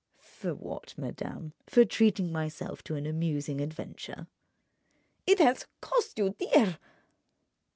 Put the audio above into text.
"For what, madame? For treating myself to an amusing adventure?" "It has cost you dear!"